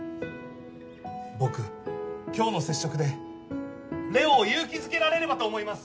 僕今日の接触でれおを勇気づけられればと思います！